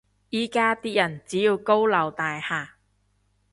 依家啲人只要高樓大廈